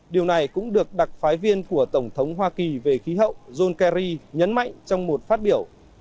điều này cũng được đặc phái viên của tổng thống hoa kỳ về khí hậu john kerry nhấn mạnh trong một phát biểu